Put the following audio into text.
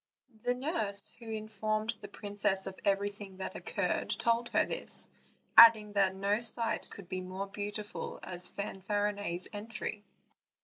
The nurse who informed the princess of everything that occurred told her this, adding that no sight could be so beautiful as Fanfarinet's entry.